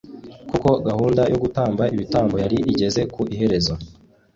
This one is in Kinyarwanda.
kuko gahunda yo gutamba ibitambo yari igeze ku iherezo